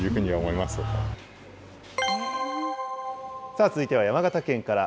さあ、続いては山形県から。